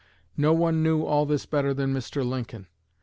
No one knew all this better than Mr. Lincoln.